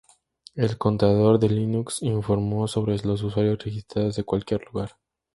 El Contador de Linux informó sobre los usuarios registrados de cualquier lugar.